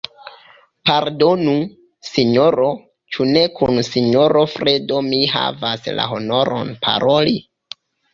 Pardonu, sinjoro, ĉu ne kun sinjoro Fredo mi havas la honoron paroli?